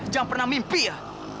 jangan pernah mimpi ya